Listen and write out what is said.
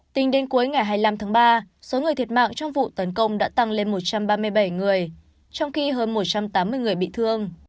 tính đến cuối ngày hai mươi năm tháng ba số người thiệt mạng trong vụ tấn công đã tăng lên một trăm ba mươi bảy người trong khi hơn một trăm tám mươi người bị thương